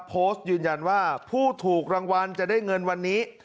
โพสต์ยืนยันว่าผู้ถูกรางวัลจะได้เงินวันนี้